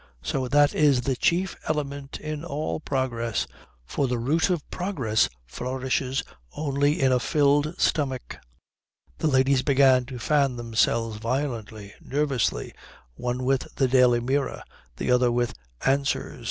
"So that it is the chief element in all progress; for the root of progress flourishes only in a filled stomach." The ladies began to fan themselves violently, nervously, one with The Daily Mirror the other with Answers.